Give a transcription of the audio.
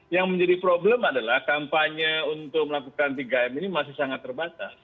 yang menjadi problem adalah kampanye untuk melakukan tiga m ini masih sangat terbatas